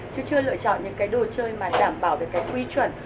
chứ chưa lựa chọn những cái đồ chơi mà đảm bảo được cái quy chuẩn